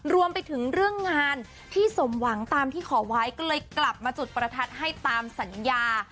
รวมไปถึงเรื่องงานที่สมหวังตามที่ขอไว้ก็เลยกลับมาจุดประทัดให้ตามสัญญา